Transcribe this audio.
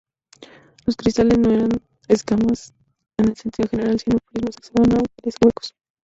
Los cristales no eran escamas en el sentido general, sino prismas hexagonales huecos.